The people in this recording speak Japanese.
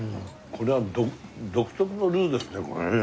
これは独特のルーですねこれね。